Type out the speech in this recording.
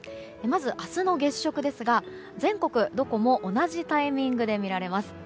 まず、明日の月食ですが全国どこも同じタイミングで見られます。